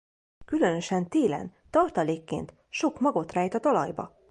Különösen télen tartalékként sok magot rejt a talajba.